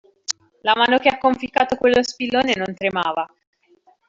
La mano che ha conficcato quello spillone non tremava!